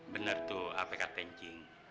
bener tuh apk tencing